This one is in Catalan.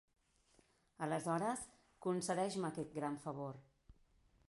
Aleshores, concedeix-me aquest gran favor.